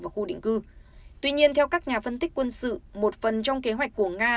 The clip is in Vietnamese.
và khu định cư tuy nhiên theo các nhà phân tích quân sự một phần trong kế hoạch của nga